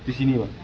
di sini pak